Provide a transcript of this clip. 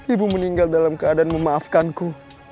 ibu meninggal dalam keadaan memaafkanku